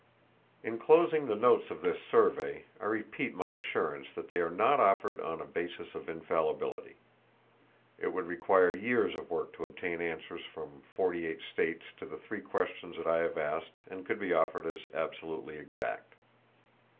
In closing the notes of this survey, I repeat my assurance that they are not offered on a basis of infallibility. It would require years of work to obtain answers from forty eight states to the three questions that I have asked that could be offered as absolutely exact.